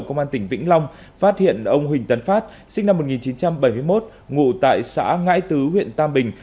công an tỉnh vĩnh long phát hiện ông huỳnh tấn phát sinh năm một nghìn chín trăm bảy mươi một ngụ tại xã ngãi tứ huyện tam bình